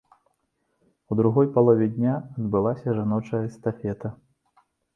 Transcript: У другой палове дня адбылася жаночая эстафета.